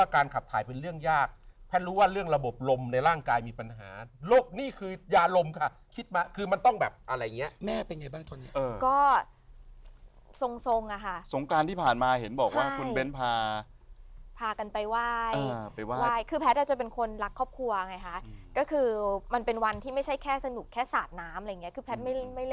การขับถ่ายเป็นเรื่องยากแพทย์รู้ว่าเรื่องระบบลมในร่างกายมีปัญหาโรคนี่คือยาลมค่ะคิดมาคือมันต้องแบบอะไรอย่างเงี้ยแม่เป็นไงบ้างตอนนี้ก็ทรงทรงอ่ะค่ะสงกรานที่ผ่านมาเห็นบอกว่าคุณเบ้นพาพากันไปไหว้ไปไหว้คือแพทย์อาจจะเป็นคนรักครอบครัวไงคะก็คือมันเป็นวันที่ไม่ใช่แค่สนุกแค่สาดน้ำอะไรอย่างเงี้คือแพทย์